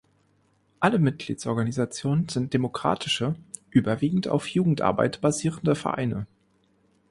Alle Mitgliedsorganisationen sind demokratische, überwiegend auf Jugendarbeit basierende Vereine.